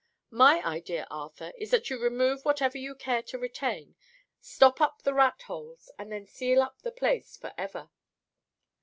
My idea, Arthur, is that you remove whatever you care to retain, stop up the rat holes, and then seal up the place forever."